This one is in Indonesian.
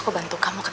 ya daud'kahamu hem